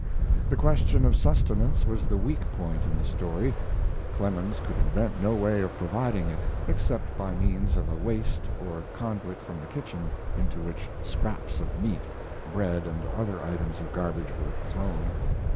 The question of sustenance was the weak point in the story. Clemens could invent no way of providing it, except by means of a waste or conduit from the kitchen into which scraps of meat, bread, and other items of garbage were thrown.